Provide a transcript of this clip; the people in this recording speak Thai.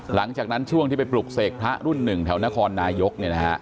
หลังจากนั้นช่วงที่ไปปลุกเสกพระรุ่นหนึ่งแถวนครนายกเนี่ยนะฮะ